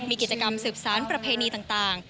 มีกิจกรรมสืบสารประเพณีต่าง